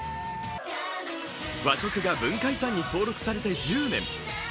和食が文化遺産に登録されて１０年。